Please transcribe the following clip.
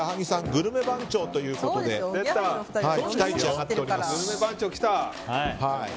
グルメ番長ということで期待値が上がっております。